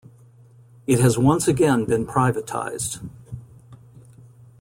It has once again been privatised.